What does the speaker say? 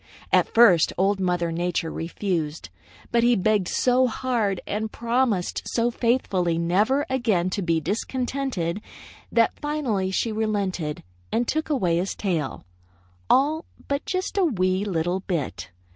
At first Old Mother Nature refused, but he begged so hard and promised so faithfully never again to be discontented, that finally she relented and took away his tail, all but just a wee little bit.